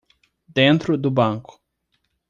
Dentro do banco